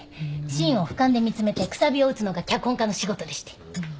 シーンをふかんで見詰めてくさびを打つのが脚本家の仕事でして。